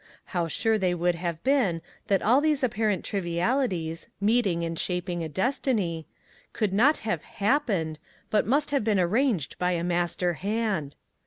How sure they would have been that all these apparent trivialities, meeting and shaping a destiny, could not have happened, but must have been arranged by a Master hand